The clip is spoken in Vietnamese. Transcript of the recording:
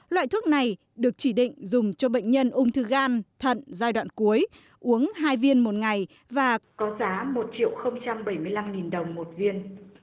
loại thuốc này được chỉ định dùng cho bệnh nhân ung thư gan thận giai đoạn cuối uống hai viên một ngày và có giá một bảy mươi năm đồng một viên